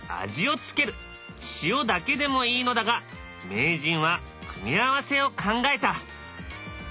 塩だけでもいいのだが名人は組み合わせを考えた。